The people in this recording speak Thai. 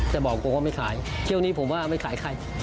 แต่บอกกูว่าไม่ขายเที่ยวนี้ผมว่าไม่ขายใคร